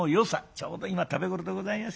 ちょうど今食べ頃でございます。